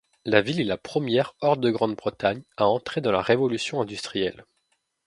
La ville est la première hors de Grande-Bretagne à entrer dans la révolution industrielle.